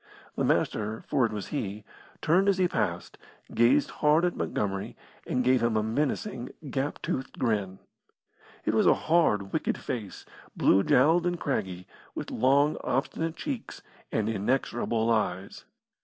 The Master, for it was he, turned as he passed, gazed hard at Montgomery, and gave him a menacing, gap toothed grin. It was a hard, wicked face, blue jowled and craggy, with long, obstinate cheeks and inexorable eyes.